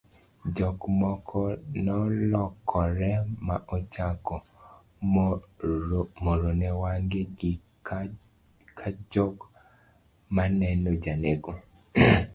jok moko nolokore ma ochako morone wangegi ka jok moneno janeko